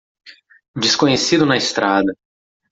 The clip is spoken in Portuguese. Desconhecido na estrada